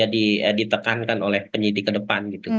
dia ditekankan oleh penyidik ke depan gitu